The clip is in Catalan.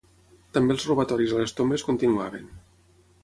També els robatoris a les tombes continuaven.